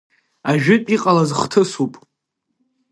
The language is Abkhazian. Ажәытә иҟалаз хҭысуп.